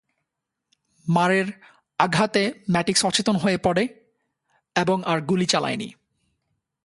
মারের আঘাতে ম্যাটিক্স অচেতন হয়ে পড়ে এবং আর গুলি চালায়নি।